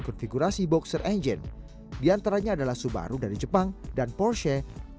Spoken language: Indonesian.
konfigurasi boxer engine diantaranya adalah subaru dari jepang dan porsche